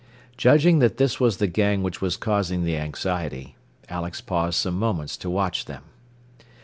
Judging that this was the gang which was causing the anxiety, Alex paused some moments to watch them.